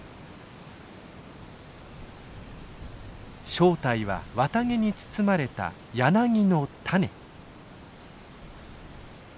正体は綿毛に包まれた柳の種。